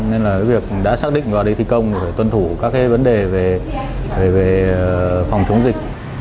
nên là việc đã xác định vào đây thi công phải tuân thủ các cái vấn đề về phòng chống dịch